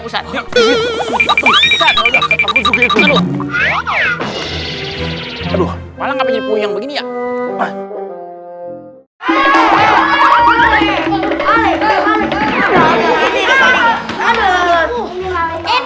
seperti manusia milik yang satu satunya zat